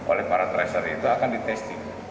oleh para tracer itu akan di testing